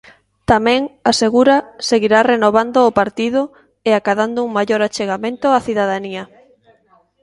Tamén, asegura, seguirá "renovando o partido" e "acadando un maior achegamento á cidadanía".